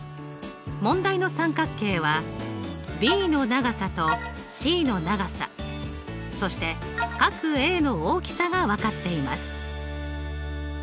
問題の三角形はｂの長さとｃの長さそして角Ａの大きさが分かっています。